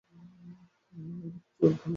অনেক কিছু হচ্ছে আঙ্কেল।